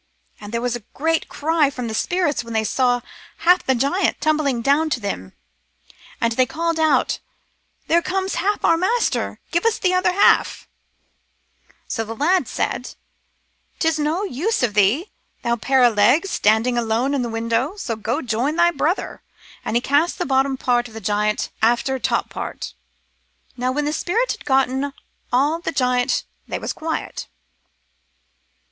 " There was a great cry from t* spirits when they saw half f giant tumbling down to them, and they called out, * There comes half our master, give us t' other half/ " So the lad said, * It's no use of thee, thou pair o' legs, standing aloan at window, so go join thy brother '; and he cast the bottom part of t' giant after top part. Now when t' spirits had gotten all t* giant they was quiet.